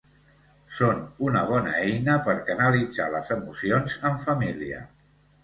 Són una bona eina per canalitzar les emocions en família.